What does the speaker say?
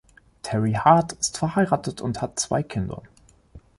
Terry Hart ist verheiratet und hat zwei Kinder.